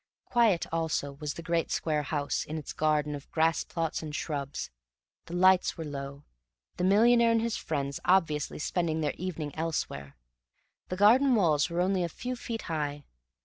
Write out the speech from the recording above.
Quiet also was the great square house, in its garden of grass plots and shrubs; the lights were low, the millionaire and his friends obviously spending their evening elsewhere. The garden walls were only a few feet high.